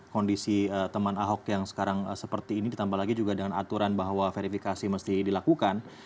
kondisi teman ahok yang sekarang seperti ini ditambah lagi juga dengan aturan bahwa verifikasi mesti dilakukan